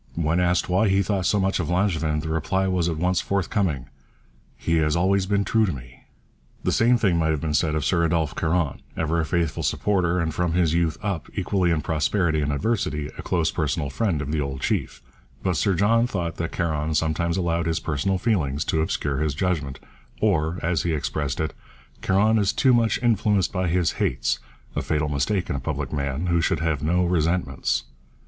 When asked why he thought so much of Langevin, the reply was at once forthcoming: 'He has always been true to me.' The same thing might have been said of Sir Adolphe Caron, ever a faithful supporter, and from his youth up, equally in prosperity and adversity, a close personal friend of the old chief; but Sir John thought that Caron sometimes allowed his personal feelings to obscure his judgment, or, as he expressed it, 'Caron is too much influenced by his hates a fatal mistake in a public man, who should have no resentments.'